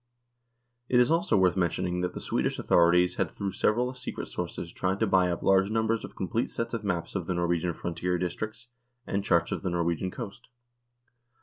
It is also worth mentioning that the Swedish authorities had through several secret sources tried to buy up large numbers of complete sets of maps of the Norwegian frontier districts and charts of the Norwegian coast.